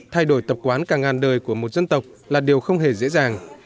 thay đổi tập quán càng ngàn đời của một dân tộc là điều không hề dễ dàng